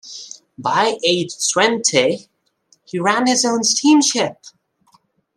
By age twenty, he ran his own steamship.